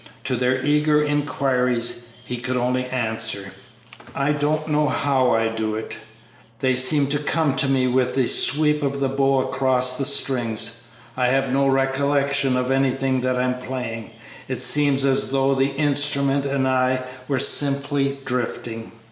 To their eager inquiries, he could only answer, "I don't know how I do it. They seem to come to me with the sweep of the bow across the strings. I have no recollection of anything that I am playing; it seems as though the instrument and I were simply drifting."